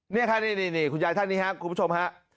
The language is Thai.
นี่ค่ะนี่คุณยายท่านนี้ครับคุณผู้ชมฮะ